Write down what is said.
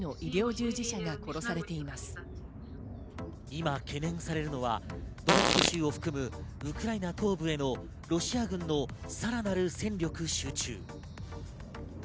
今、懸念されるのはドネツク州を含むウクライナ東部へのロシア軍のさらなる戦力集中。